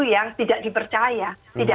yang tidak dipercaya tidak